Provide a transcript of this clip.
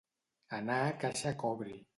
Anar caixa cobri.